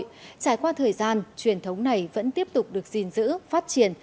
trải qua thời gian truyền thống này vẫn tiếp tục được gìn giữ phát triển